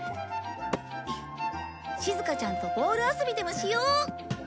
しずかちゃんとボール遊びでもしよう。